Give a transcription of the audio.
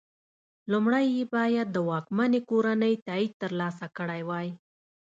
لومړی یې باید د واکمنې کورنۍ تایید ترلاسه کړی وای.